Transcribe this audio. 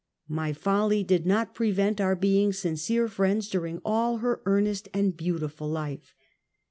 My follj did not prevent our being sincere friends daring all her earnest and beautiful life.